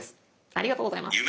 ありがとうございます。